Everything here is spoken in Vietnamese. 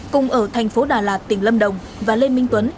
cùng ở tp đà lạt tỉnh lâm đồng và lê minh tuấn